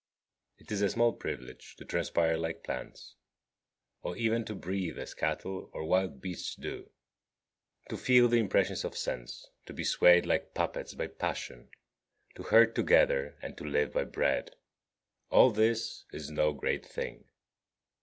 16. It is a small privilege to transpire like plants, or even to breathe as cattle or wild beasts do. To feel the impressions of sense, to be swayed like puppets by passion, to herd together and to live by bread; all this is no great thing.